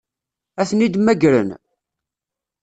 Ad ten-id-mmagren?